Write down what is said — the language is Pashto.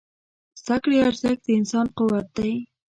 د زده کړې ارزښت د انسان قوت دی.